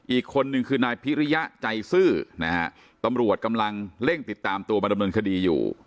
อีกคนนึงคือนายพิริยะใจซื่อนะฮะตำรวจกำลังเร่งติดตามตัวมาดำเนินคดีอยู่